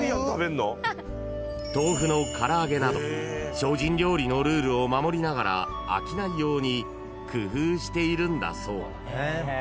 ［精進料理のルールを守りながら飽きないように工夫しているんだそう］